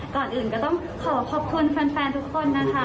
ก่อนอื่นก็ต้องขอขอบคุณแฟนทุกคนนะคะ